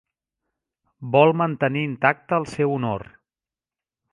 Vol mantenir intacte el seu honor.